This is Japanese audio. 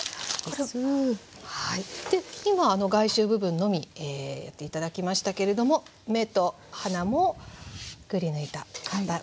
今外周部分のみやって頂きましたけれども目と鼻もくりぬいた顔の形が完成したものがこちらです。